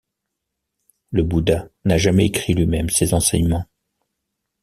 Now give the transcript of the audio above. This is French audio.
Le Bouddha n'a jamais écrit lui-même ses enseignements.